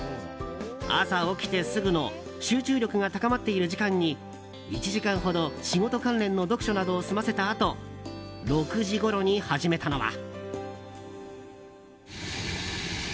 朝起きてすぐの集中力が高まっている時間に１時間ほど仕事関連の読書などを済ませたあと６時ごろに始めたのは。